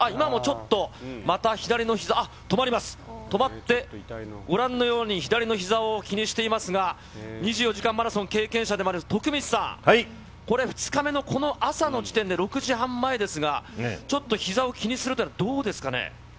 あっ、今もちょっとまた左のひざ、あっ、止まります、止まって、ご覧のように左のひざを気にしていますが、２４時間マラソン経験者でもある徳光さん、これ、２日目のこの朝の時点で６時半前ですが、ちょっとひざを気にするというのは、どうですかね？